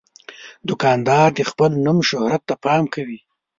دوکاندار د خپل نوم شهرت ته پام کوي.